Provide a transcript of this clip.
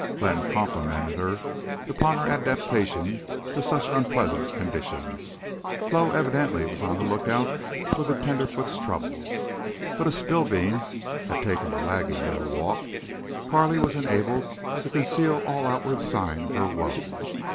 Glenn complimented her upon her adaptation to such unpleasant conditions. Flo evidently was on the lookout for the tenderfoot's troubles. But as Spillbeans, had taken to lagging at a walk, Carley was enabled to conceal all outward sign of her woes.